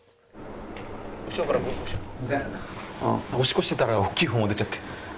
おしっこしてたら大きい方も出ちゃって。